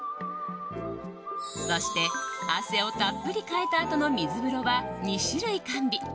そして、汗をたっぷりかいたあとの水風呂は２種類完備。